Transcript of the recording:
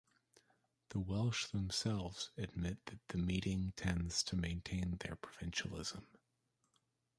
The Welsh themselves admit that the meeting tends to maintain their provincialism.